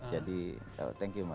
jadi thank you mbak